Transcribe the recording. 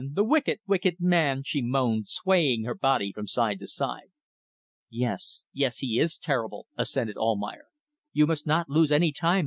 The wicked, wicked man!" she moaned, swaying her body from side to side. "Yes. Yes! He is terrible," assented Almayer. "You must not lose any time.